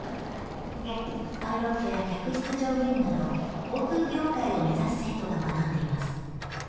パイロットや客室乗務員など航空業界を目指す生徒が学んでいます。